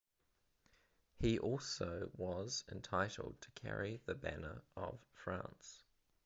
He also was entitled to carry the banner of France.